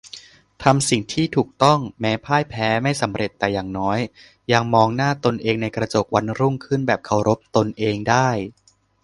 ทำสิ่งที่ถูกต้อง แม้พ่ายแพ้ ไม่สำเร็จ แต่อย่างน้อย ยังมองหน้าตนเองในกระจกวันรุ่งขึ้นแบบเคารพตนเองได้